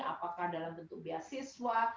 apakah dalam bentuk beasiswa